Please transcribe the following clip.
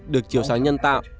được chiếu sáng nhân tạo